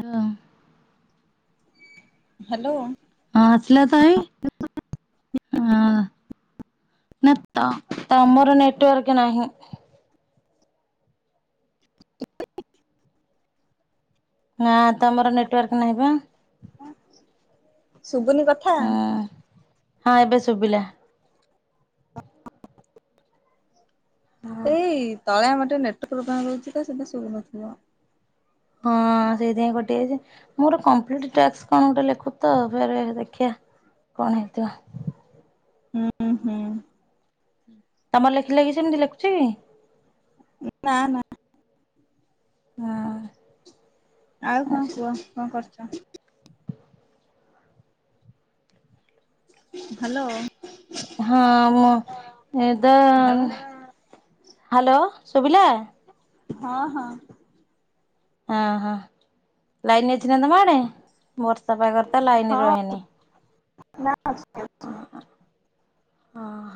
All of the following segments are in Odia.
ହଁ। ହାଲୋ। ହଁ ଆସିଲ ତ ଭାଇ ହଁ। ନା ତ ତମର ନେଟୱର୍କ ନାହିଁ। ନା ତମର ନେଟୱାର୍କ ନାହିଁ ବା। ଶୁବୁନି କଥା। ହଁ ହଁ ଏବେ ଶୁଭିଲା। ଏଇ ତଳେ ଆମର ଟିକେ ନେଟୱାର୍କ ପ୍ରୋବଲେମ ରହୁଚି ତ ସେଥିଲାଗି ଶୁଭୁନଥିବ। ହଁ ସେଇଥିପାଇଁ କଟିଯାଇଚି ମୋର କମ୍ପ୍ଲିଟ ଟାସ୍କ କଣ ଗୋଟେ ଲେଖୁଚି ତ ଫେରେ ଦେଖିବା। କଣ ହେଇଥିବ। ହୁଁ ହୁଁ। ତମର ଲେଖିଲେ କିି ସେମିତି ଲେଖୁଚି କି? ନା ନା। ହଁ ଆଉ କଣ କୁହ ଆଚ୍ଛା କଣ କରୁଚ? ହାଲୋ। ହଁ ମୁ ଏଦ ହଉ ହାଲୋ। ଶୁଭିଲା? ହଁ ହଁ। ହଁ ହଁ ଲାଇନରେ ଯାଇନ କୁଆଡ଼େ ବର୍ଷା ପାଗରେ ତ ଲାଇନ ହଁ ରହେନି। ନା ଆଜି ଅଛି। ହଁ।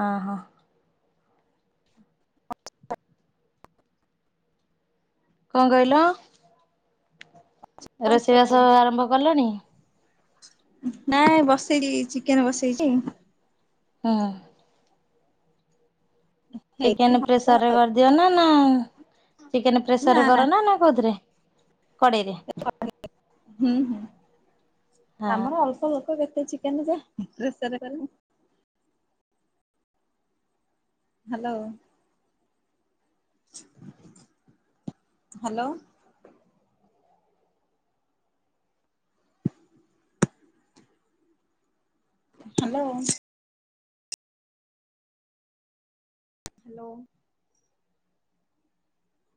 ଅ ହୋ। କଣ କହିଲ? ରୋଷେଇବାସ ଆରମ୍ଭ କଲଣି? ନାଇଁ ବସେଇଚି ଚିକେନ ବସେଇଚି। ହଁ। ହେଇନି ଚିକେନ ହବ ପ୍ରେସରରେ କରିଦିଅ ନା ନା ଚିକେନ ପ୍ରେସରରେ କର ନା ନା କୋଉଥିରେ? କଡେଇରେ। ହୁଁ ହୁଁ ଆମର ଅଳ୍ପ ଲୋକ କେତେ ଚିକେନ ଯେ ପ୍ରେସରରେ କରିବୁ। ହାଲୋ। ହାଲୋ। ହାଲୋ। ହାଲୋ।